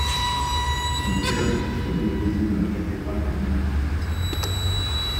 Son cœur est toutefois déposé dans la cathédrale de Milan.